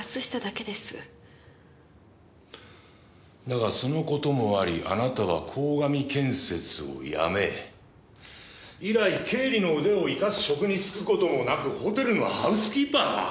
だがその事もありあなたは鴻上建設を辞め以来経理の腕を生かす職に就く事もなくホテルのハウスキーパー？